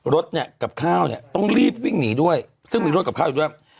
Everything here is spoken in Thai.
รถเนี่ยกับข้าวเนี่ยต้องรีบวิ่งหนีด้วยซึ่งมีรวดกับข้าวอยู่ด้วย